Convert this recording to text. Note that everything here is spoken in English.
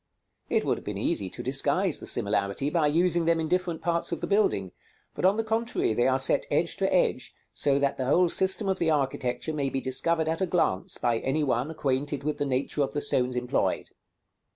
It would have been easy to disguise the similarity by using them in different parts of the building; but on the contrary they are set edge to edge, so that the whole system of the architecture may be discovered at a glance by any one acquainted with the nature of the stones employed.